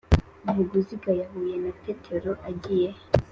Vuguziga yahuye na Tetero agiye he?